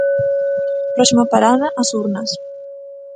Próxima parada, as urnas.